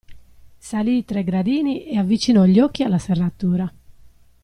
Salì i tre gradini e avvicinò gli occhi alla serratura.